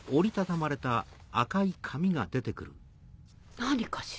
何かしら？